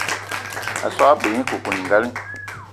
A so gne g-beu nye koukouningali.